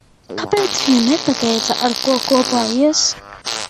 Kāpēc viņa nepateica, ar ko kopā ies?